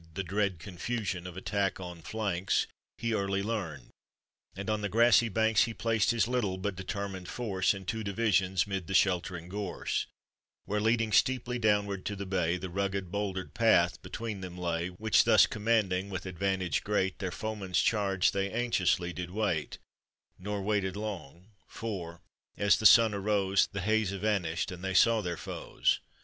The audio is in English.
The dread confusion of attack on flanks He early learned, and on the grassy banks He placed his little but determined force In two divisions 'mid the sheltering gorse, Where, leading steeply downward to the bay, The rugged, bouldered path between them lay, Which thus commanding, with advantage great, Their foemen's charge they anxiously did wait; Nor waited long, for, as the sun arose, The haze evanished, and they saw their foes.